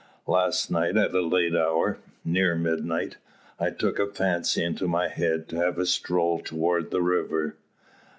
Last night at a late hour near midnight I took a fancy into my head to have a stroll towards the river.